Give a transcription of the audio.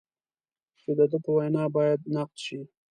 چې د ده په وینا باید نقد شي.